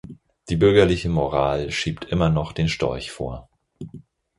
Die bürgerliche Moral schiebt immer noch den Storch vor.